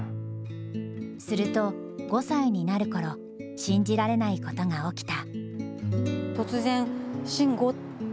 すると、５歳になるころ信じられないことが起きた。